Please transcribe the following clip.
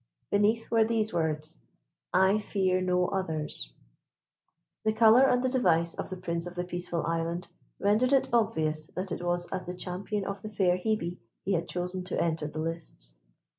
Beneath were these words: "I fear no others." The colour and the device of the Prince of the Peaceful Island, rendered it obvious that it was as the champion of the fair Hebe he had chosen to enter the lists.